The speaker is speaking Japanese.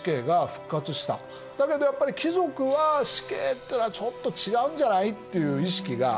だけどやっぱり貴族は「死刑っていうのはちょっと違うんじゃない？」っていう意識がある。